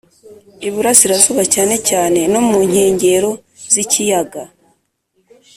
Iburasirazuba cyane cyane no mu nkengero z’ikiyaga